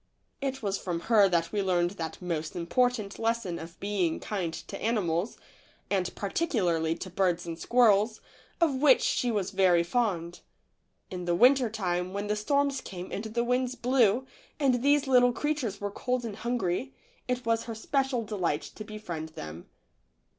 4 THE LITTLE FORESTERS. It was from her that we learned that most important lesson of being kind to animals, and particularly to birds and squirrels, of which she was very fond. In the winter time, when the storms came and the winds blew, and these little creatures were cold and hungry, it was her special delight to befriend them.